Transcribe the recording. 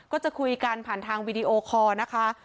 ก็จะคุยกันผ่านทางวีดีโอคอร์นะคะ